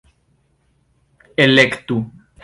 elektu